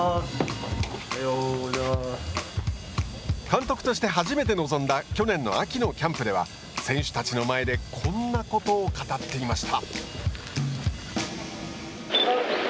監督として初めて臨んだ去年の秋のキャンプでは選手たちの前でこんなことを語っていました。